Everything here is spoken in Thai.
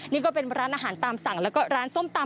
นี่ก็เป็นร้านอาหารตามสั่งแล้วก็ร้านส้มตำ